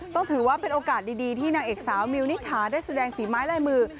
ต้องถือว่าเป็นโอกาสดีที่นางเอกสาวมิวนิถาได้แสดงฝีไม้ลายมือ